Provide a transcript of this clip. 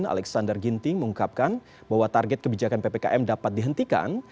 alexander ginting mengungkapkan bahwa target kebijakan ppkm dapat dihentikan